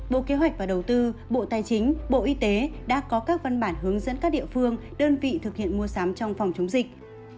bộ kế hoạch và đầu tư bộ tài chính bộ y tế đã có các văn bản hướng dẫn các địa phương đơn vị thực hiện mua sắm trong phòng chống dịch